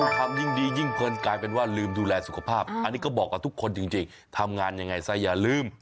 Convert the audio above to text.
ทำยิ่งดียิ่งเพลินกลายเป็นว่าลืมดูแลสุขภาพอันนี้ก็บอกกับทุกคนจริงทำงานยังไงซะอย่าลืม